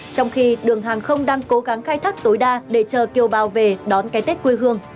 trong khi đường hàng không đang cố gắng khai thác tối đa để chờ kiều bào về đón cái tết quê hương